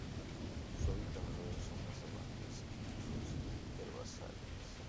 Su hábitat natural son las sabanas y los herbazales.